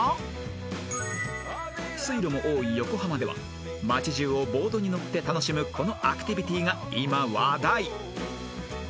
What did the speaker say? ［水路も多い横浜では街中をボードに乗って楽しむこのアクティビティーが今話題］